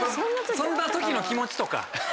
そんな時の気持ちとか。